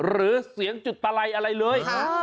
หรือเสียงจุดตะไลอะไรเลย